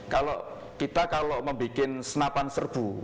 kalau kita kalau membuat senapan serbu